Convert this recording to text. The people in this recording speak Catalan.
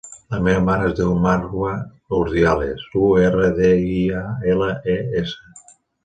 La meva mare es diu Marwa Urdiales: u, erra, de, i, a, ela, e, essa.